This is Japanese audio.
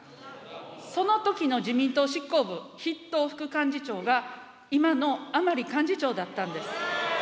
そのときの自民党執行部、筆頭副幹事長が、今の甘利幹事長だったんです。